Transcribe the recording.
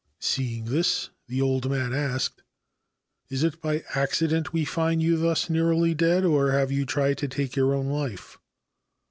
Seeing this, the old man asked : 4 Is it by accident we find you thus nearly dead, or have you tried to take your own life